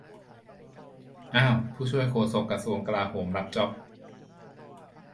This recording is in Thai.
อ้าว ผู้ช่วยโฆษกกระทรวงกลาโหม รับจ๊อบ